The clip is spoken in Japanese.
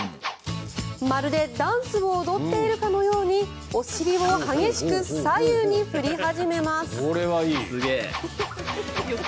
まるでダンスを踊っているかのようにお尻を激しく左右に振り始めます。